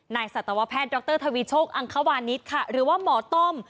สัตวแพทย์ดรทวีโชคอังควานิสค่ะหรือว่าหมอต้อม